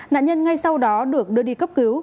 nạn nhân ngay sau đó được đưa đi cấp cứu